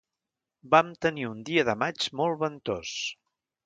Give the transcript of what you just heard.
Vam tenir un dia de maig molt ventós.